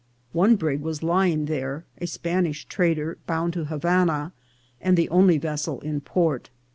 One brig was lying there, a Spanish trader, bound to Havana, and the only vessel in port.